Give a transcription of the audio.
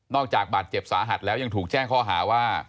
จากบาดเจ็บสาหัสแล้วยังถูกแจ้งข้อหาว่า